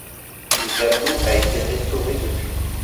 Le tableau a été restauré depuis.